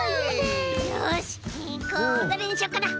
よしどれにしようかな？